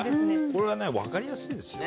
これはね分かりやすいですね。